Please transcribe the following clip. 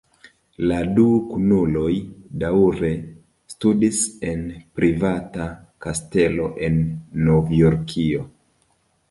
La du kunuloj daŭre studis en privata kastelo en Novjorkio.